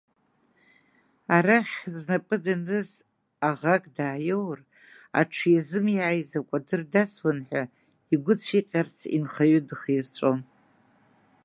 Арахь знапы даныз аӷак дааиоур, зҽы иазымиааиз икәадыр дасуан ҳәа, игәы цәиҟьарц инхаҩы дыхирҵәон.